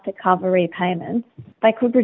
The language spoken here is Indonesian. tidak cukup untuk menutupi pembayaran